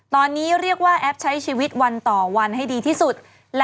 ตอนนี้เรียกว่าแอปใช้ชีวิตวันต่อวันให้ดีที่สุด